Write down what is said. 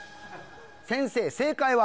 先生正解は？